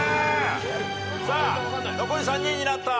残り３人になった。